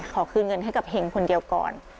ขอคืนเงินให้กับเห็งคนเดียวก่อน